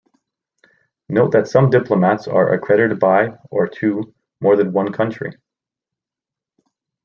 Note that some diplomats are accredited by, or to, more than one country.